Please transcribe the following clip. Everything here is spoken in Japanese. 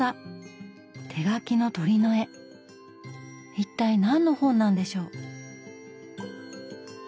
一体何の本なんでしょう。